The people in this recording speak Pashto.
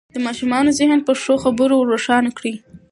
د ماشومانو ذهن په ښو خبرو روښانه کړئ.